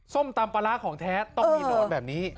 ส้มตำปลาร้าของแท้ต้องมีนอนแบบนี้